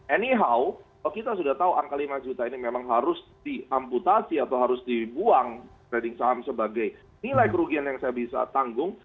any how kalau kita sudah tahu angka lima juta ini memang harus diamputasi atau harus dibuang trading saham sebagai nilai kerugian yang saya bisa tanggung